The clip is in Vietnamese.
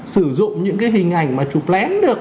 sử dụng những cái hình ảnh mà chụp lén được